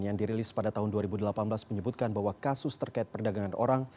yang dirilis pada tahun dua ribu delapan belas menyebutkan bahwa kasus terkait perdagangan orang